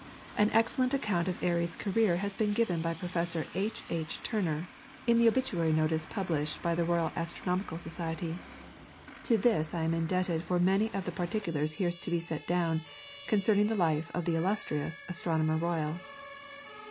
An excellent account of Airy's career has been given by Professor H. H. Turner, in the obituary notice published by the Royal Astronomical Society. To this I am indebted for many of the particulars here to be set down concerning the life of the illustrious Astronomer Royal.